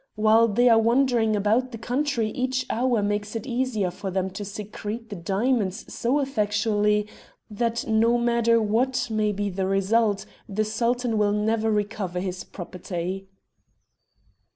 While they are wandering about the country each hour makes it easier for them to secrete the diamonds so effectually that no matter what may be the result the Sultan will never recover his property."